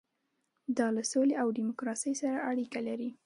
دا له سولې او ډیموکراسۍ سره اړیکه لري.